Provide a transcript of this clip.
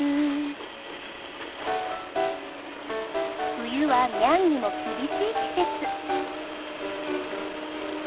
冬はニャンにも厳しい季節。